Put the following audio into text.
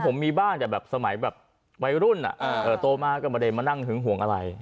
ผมมีบ้านแต่แบบสมัยแบบวัยรุ่นโตมาก็ไม่ได้มานั่งหึงห่วงอะไร